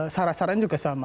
saran saran juga sama